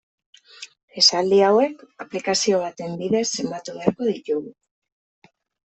Esaldi hauek aplikazio baten bidez zenbatu beharko ditugu.